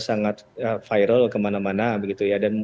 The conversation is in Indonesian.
sangat viral kemana mana begitu ya